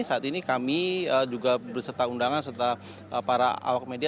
saat ini kami juga berserta undangan serta para awak media